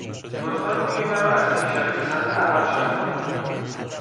لطفاً موی مرا از پیشانی به سمت عقب شانه کنید.